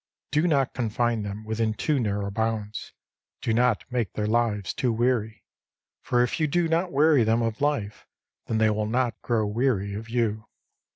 Do not confine them within too narrow bounds ; do not make their lives too weary. For if you do not weary them of life, then they will not grow weary of you.